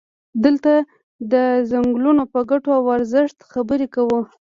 دلته د څنګلونو په ګټو او ارزښت خبرې کوو.